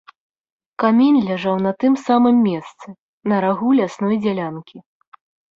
Камень ляжаў на тым самым месцы, на рагу лясной дзялянкі.